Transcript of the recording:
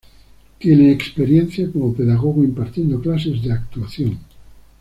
Tiene experiencia como pedagogo impartiendo clases de actuación.